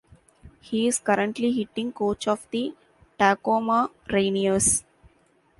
He is currently hitting coach of the Tacoma Rainiers.